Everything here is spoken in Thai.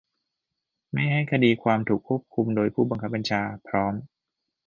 ไม่ให้คดีความถูกควบคุมโดยผู้บังคับบัญชา พร้อม